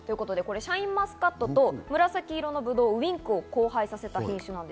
シャインマスカットと紫色のブドウ、ウインクを交配させました。